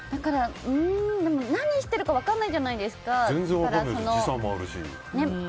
でも何してるか分からないじゃないですか。